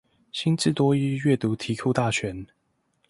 新制多益閱讀題庫大全